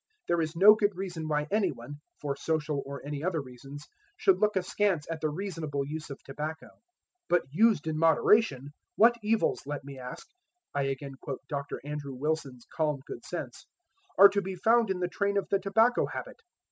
There is no good reason why anyone, for social or any other reasons, should look askance at the reasonable use of tobacco. "But used in moderation, what evils, let me ask," I again quote Dr. Andrew Wilson's calm good sense "are to be found in the train of the tobacco habit!